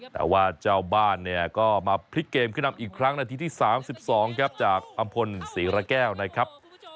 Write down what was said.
แต่ว่าเจ้าบ้านเนี่ยก็มาพลิกเกมขึ้นนำอีกครั้งนาทีที่๓๒ครับจากอำพลศรีระแก้วนะครับ